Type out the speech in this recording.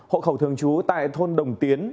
hộ khẩu thường chú tại thôn đồng tiến